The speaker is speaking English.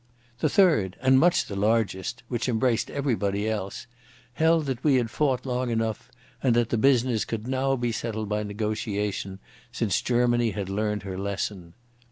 The third and much the largest, which embraced everybody else, held that we had fought long enough and that the business could now be settled by negotiation, since Germany had learned her lesson.